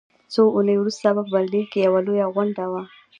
څو اونۍ وروسته په برلین کې یوه لویه غونډه وه